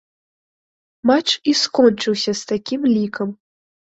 Матч і скончыўся з такім лікам.